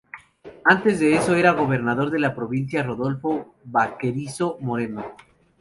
Antes de eso era gobernador de la provincia Rodolfo Baquerizo Moreno.